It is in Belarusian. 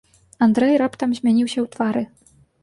Андрэй раптам змяніўся ў твары.